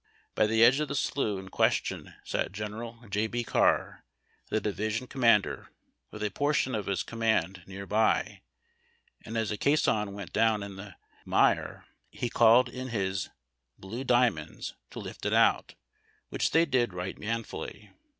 B}^ the edge of the slough in question sat General J. B. Carr, the division com mander, with a portion of his command near by, and, as a caisson went down in the mire, he called in his "Blue Dia monds" to lift it out, which they did right manfully.